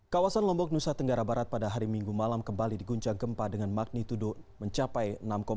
kawasan lombok nusa tenggara barat pada hari minggu malam kembali diguncang gempa dengan magnitudo mencapai enam sembilan